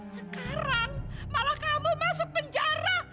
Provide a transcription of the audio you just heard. sekarang malah kamu masuk penjara